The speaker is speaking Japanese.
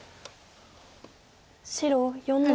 白４の六。